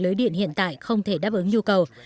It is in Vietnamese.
lưới điện hiện tại không thể đáp ứng nhu cầu